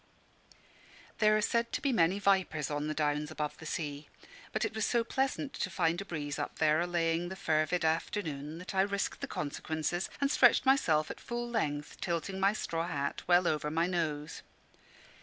There are said to be many vipers on the Downs above the sea; but it was so pleasant to find a breeze up there allaying the fervid afternoon, that I risked the consequences and stretched myself at full length, tilting my straw hat well over my nose.